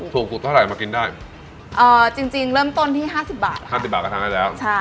ถูกสุดเท่าไหร่มากินได้เอ่อจริงจริงเริ่มต้นที่ห้าสิบบาทห้าสิบบาทก็ทานได้แล้วใช่